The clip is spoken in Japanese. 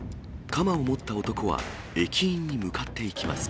鎌を持った男は、駅員に向かっていきます。